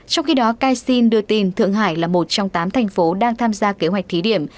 trong khi đó kaisin đưa tin thượng hải là một trong tám thành phố đang tham gia kế hoạch thí điểm